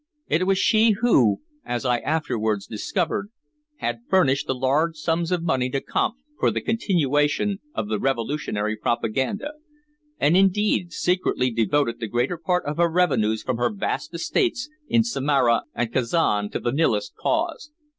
It was she who, as I afterwards discovered, had furnished the large sums of money to Kampf for the continuation of the revolutionary propaganda, and indeed secretly devoted the greater part of her revenues from her vast estates in Samara and Kazan to the Nihilist cause.